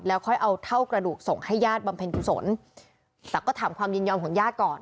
ค่อยเอาเท่ากระดูกส่งให้ญาติบำเพ็ญกุศลแต่ก็ถามความยินยอมของญาติก่อน